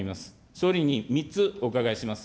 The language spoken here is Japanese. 総理に３つ、お伺いします。